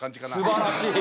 すばらしい。